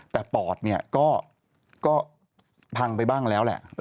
แต่ปอดเนี่ยก็พังไปบ้างแล้วแหละ